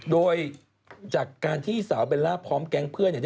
โดยจากการที่สาวเบลล่าพร้อมแก๊งเพื่อน